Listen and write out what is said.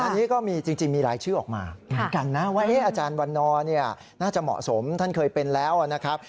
อันนี้ก็มีจริงมีรายชื่อออกมาเหมือนกันนะว่าอาจารย์วันนอร์เนี่ยน่าจะเหมาะสมท่านเคยเป็นแล้วนะครับ